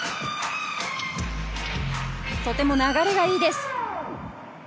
とても流れがいいです。